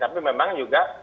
tapi memang juga